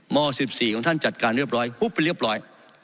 ม๑๔ของท่านจัดการเรียบร้อยฮุบไปเรียบร้อย